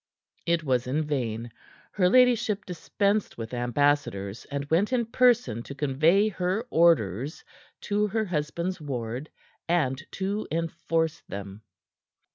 It was in vain. Her ladyship dispensed with ambassadors, and went in person to convey her orders to her husband's ward, and to enforce them.